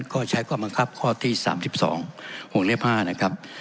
ก็ใช้ความบังคับข้อที่สามสิบสองห่วงเรียบห้านะครับ